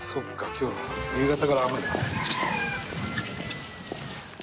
今日夕方から雨だ。